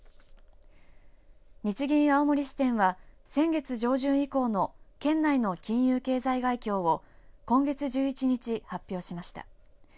日銀青森支店は先月上旬以降の県内の金融経済概況を今月１１日発表しました。